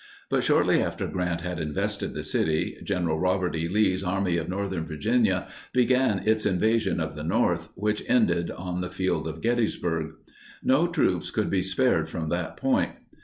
But shortly after Grant had invested the city, Gen. Robert E. Lee's Army of Northern Virginia began its invasion of the North, which ended on the field of Gettysburg. No troops could be spared from that point.